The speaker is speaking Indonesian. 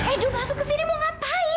eju masuk ke sini mau ngapain